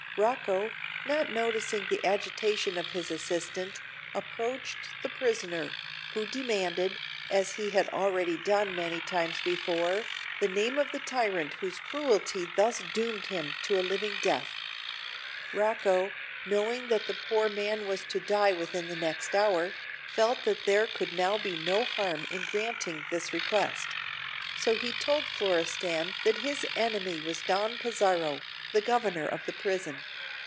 Rocco, not noticing the agitation of his assistant, approached the prisoner, who demanded, as he had already done many times before, the name of the tyrant whose cruelty thus doomed him to a living death. Rocco, knowing that the poor man was to die within the next hour, felt that there could now be no harm in granting this request; so he told Florestan that his enemy was Don Pizarro, the Governor of the prison.